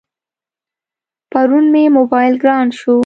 پرون مې موبایل گران شو.